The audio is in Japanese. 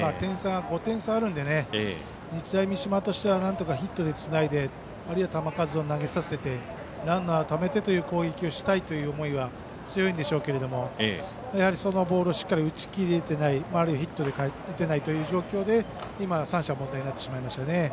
５点差あるので日大三島としてはなんとかヒットでつないであるいは球数を投げさせてランナーをためてという攻撃をしたい思いは強いんでしょうけどもやはりそのボールをしっかり打ち切れてないあるいはヒットが打てない状況で三者凡退になってしまいましたね。